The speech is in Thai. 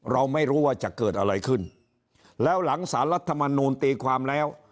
เราไม่รู้ว่าจะเกิดอะไรขึ้นแล้วหลังสารรัฐมนูลตีความแล้ว